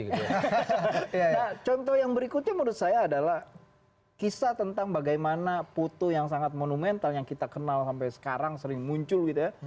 nah contoh yang berikutnya menurut saya adalah kisah tentang bagaimana putu yang sangat monumental yang kita kenal sampai sekarang sering muncul gitu ya